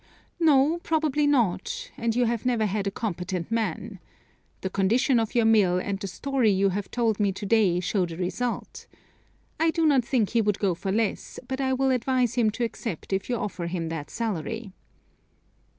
"No, probably not, and you have never had a competent man. The condition of your mill and the story you have told me to day show the result. I do not think he would go for less, but I will advise him to accept if you offer him that salary."